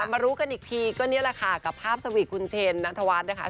มารู้กันอีกทีก็นี่แหละค่ะกับภาพสวีทคุณเชนนัทวัฒน์นะคะ